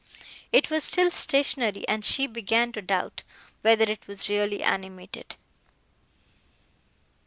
It was still stationary, and she began to doubt, whether it was really animated.